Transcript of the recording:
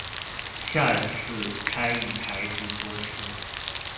下次開一台直播車